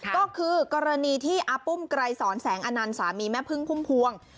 ก็คือกรณีที่อาปุ้มไกรสอนแสงอนันต์สามีแม่พึ่งพุ่มพวง